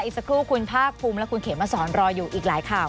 สักครู่คุณภาคภูมิและคุณเขมมาสอนรออยู่อีกหลายข่าว